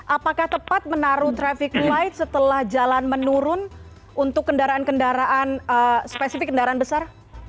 apakah tepat menaruh traffic light setelah jalan menurun untuk kendaraan kendaraan spesifik kendaraan besar